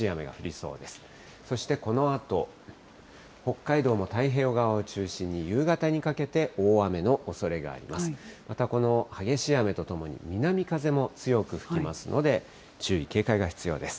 そしてこのあと、北海道も太平洋側を中心に、夕方にかけて大雨のおそれがあります。